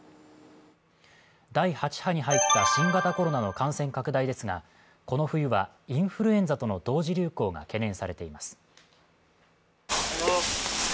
第８波に入った新型コロナの感染拡大ですがこの冬はインフルエンザとの同時流行が懸念されています。